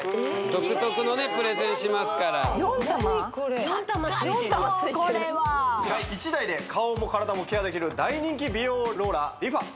独特のねプレゼンしますから何これ高そうこれは１台で顔も体もケアできる大人気美容ローラーＲｅＦａ４ＣＡＲＡＴです